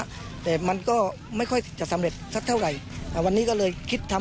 แต่มันก็ไม่ค่อยจะสำเร็จสักเท่าไหร่อ่าวันนี้ก็เลยคิดทำ